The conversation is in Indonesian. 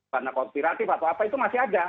bana kooperatif atau apa itu masih ada